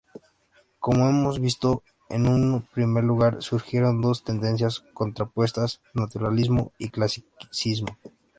Como hemos visto, en un primer lugar surgieron dos tendencias contrapuestas, naturalismo y clasicismo.